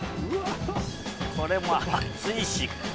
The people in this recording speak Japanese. これ熱いし。